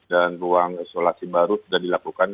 dan ruang isolasi baru sudah dilakukan